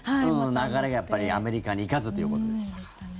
流れがやっぱりアメリカに行かずということでしたから。